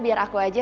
biar aku aja